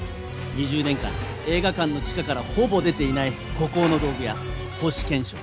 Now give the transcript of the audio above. ２０年間映画館の地下からほぼ出ていない孤高の道具屋星憲章。